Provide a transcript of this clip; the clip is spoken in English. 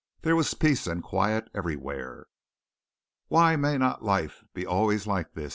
There was peace and quiet everywhere. "Why may not life be always like this?"